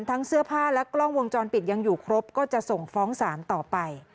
เสื้อผ้าและกล้องวงจรปิดยังอยู่ครบก็จะส่งฟ้องศาลต่อไป